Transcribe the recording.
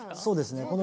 そうですね。